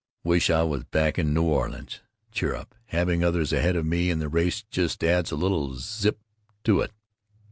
Wish I was back in New Orleans. Cheer up, having others ahead of me in the race just adds a little zip to it.